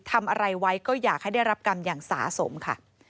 ทำอะไรไว้ก็อยากให้ได้รับกรรมอย่างสาสมค่ะ